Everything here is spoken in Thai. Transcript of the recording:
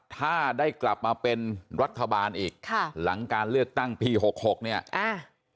ถ้าได้กลับมาเป็นรัฐบาลอีกค่ะหลังการเลือกตั้งปีหกหกเนี่ยอ่า